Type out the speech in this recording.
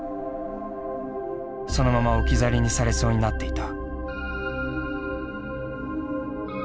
そのまま置き去りにされそうになっていた。